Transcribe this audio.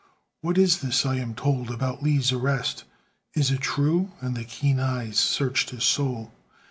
"What is this I am told about Lee's arrest, Is it true?" and the keen eyes searched his soul.